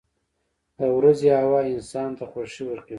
• د ورځې هوا انسان ته خوښي ورکوي.